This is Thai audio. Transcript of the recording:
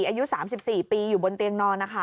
อายุ๓๔ปีอยู่บนเตียงนอนนะคะ